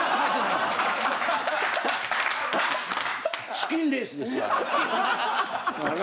チキンレースですよあれは。